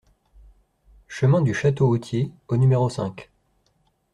Chemin du Château Authier au numéro cinq